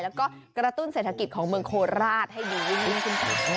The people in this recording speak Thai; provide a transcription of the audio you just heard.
แล้วก็กระตุ้นเศรษฐกิจของเมืองโคลาศให้ดู